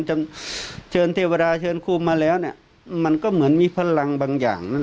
ฮ่าฮ่าฮ่าฮ่าฮ่าฮ่าฮ่าฮ่าฮ่า